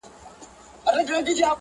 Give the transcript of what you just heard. سوچه کاپیر وم چي راتلم تر میخانې پوري.